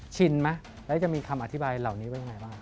ชินไหมแล้วจะมีคำอธิบายเหล่านี้ว่ายังไงบ้าง